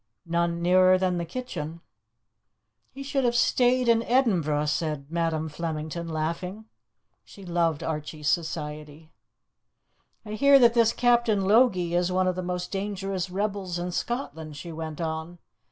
"None nearer than the kitchen." "He should have stayed in Edinburgh," said Madam Flemington, laughing. She loved Archie's society. "I hear that this Captain Logie is one of the most dangerous rebels in Scotland," she went on.